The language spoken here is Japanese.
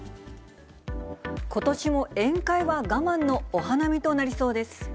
ことしも宴会は我慢のお花見となりそうです。